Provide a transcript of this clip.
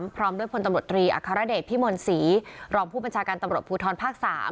พร้อมด้วยพลตำรวจตรีอัครเดชพิมลศรีรองผู้บัญชาการตำรวจภูทรภาค๓